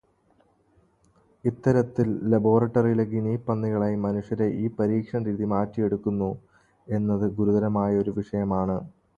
ഇത്തരത്തിൽ ലബോറട്ടറിയിലെ ഗിനി പന്നികളായി മനുഷ്യരെ ഈ പരീക്ഷണരീതി മാറ്റിയെടുക്കുന്നു എന്നത് ഗുരുതരമായ ഒരു വിഷയമാണ്.